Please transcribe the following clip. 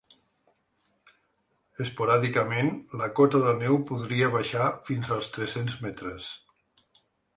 Esporàdicament, la cota de neu podria baixar fins als tres-cents metres.